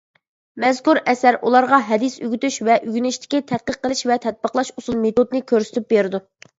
مەزكۇر ئەسەر ئۇلارغا ھەدىس ئۆگىتىش ۋە ئۆگىنىشتىكى تەتقىق قىلىش ۋە تەتبىقلاش ئۇسۇل- مېتودنى كۆرسىتىپ بېرىدۇ.